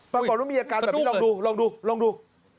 ปรากฏว่ามีอาการแบบนี้ลองดูลองดูลองดู